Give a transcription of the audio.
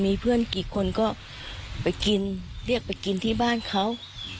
มีเพื่อนกี่คนก็ไปกินเรียกไปกินที่บ้านเขา